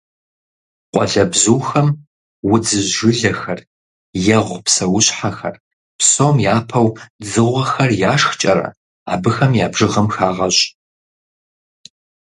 Къуалэбзухэм удзыжь жылэхэр, егъу псэущхьэхэр, псом япэу дзыгъуэхэр яшхкӀэрэ, абыхэм я бжыгъэм хагъэщӀ.